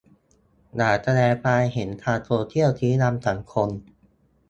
อย่าแสดงความเห็นทางโซเชียล ชี้นำสังคม